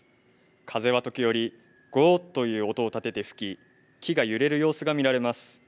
風は時折、ゴーッという音を立てて吹き、木が揺れる様子が見られます。